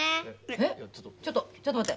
えっちょっとちょっと待って。